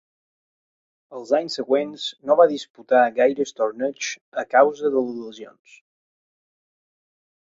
Els anys següents no va disputar gaires torneigs a causa de les lesions.